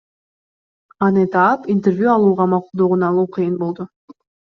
Аны таап, интервью алууга макулдугун алуу кыйын болду.